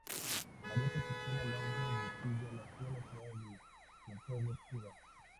María Concepción Alonso Bustillo nació en la ciudad de Cienfuegos, Cuba.